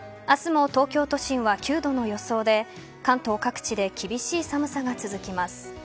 明日も東京都心は９度の予想で関東各地で厳しい寒さが続きます。